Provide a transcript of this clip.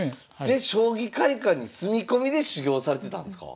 で将棋会館に住み込みで修業されてたんですか？